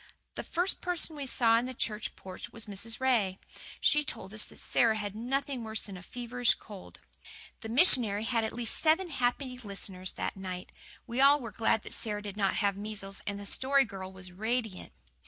The first person we saw in the church porch was Mrs. Ray. She told us that Sara had nothing worse than a feverish cold. The missionary had at least seven happy listeners that night. We were all glad that Sara did not have measles, and the Story Girl was radiant.